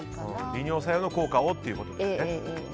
利尿作用の効果をということですね。